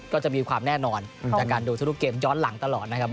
ก็จะมีความแน่นอนจากการดูสรุปเกมย้อนหลังตลอดนะครับ